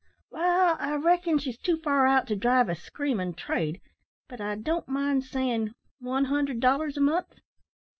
"Wall, I reckon, she's too far out to drive a screamin' trade, but I don't mind sayin' 100 dollars a month."